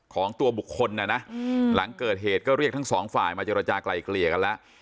ของตัวบุคคลนะนะหลังเกิดเหตุก็เรียกทั้งสองฝ่ายมาเจรจากลายเกลี่ยกันแล้ว